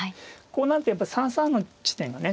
こうなるとやっぱり３三の地点がね